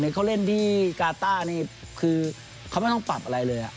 เขาเล่นที่กาต้านี่คือเขาไม่ต้องปรับอะไรเลย